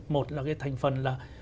một là cái thành phần là